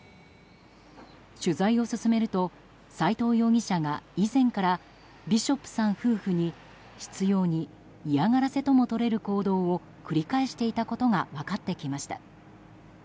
取材を進めると斎藤容疑者が以前からビショップさん夫婦に執拗に嫌がらせともとれる行動を繰り返していたことが分かってきました。